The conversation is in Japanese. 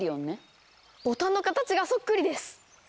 ボタンの形がそっくりです！